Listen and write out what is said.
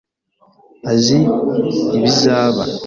azi ibizaba.